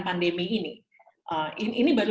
pandemi ini ini baru